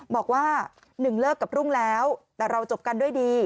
บอกว่าหนึ่งเลิกกับรุ่งแล้วแต่เราจบกันด้วยดี